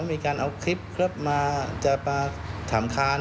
มีการเอาคลิปมาจะมาถามค้าน